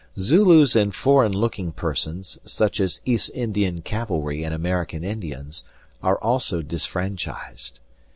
Zulus and foreign looking persons, such as East Indian cavalry and American Indians, are also disfranchised.